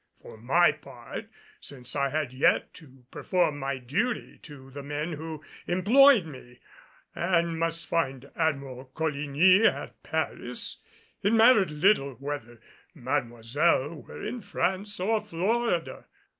For my part, since I had yet to perform my duty to the men who employed me and must find Admiral Coligny at Paris, it mattered little whether Mademoiselle were in France or Florida.